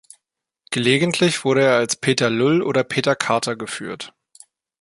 Gelegentlich wurde er als "Peter Lull" oder "Peter Carter" geführt.